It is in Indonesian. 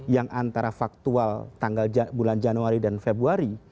yang antara faktual tanggal bulan januari dan februari